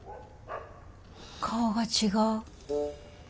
顔が違う。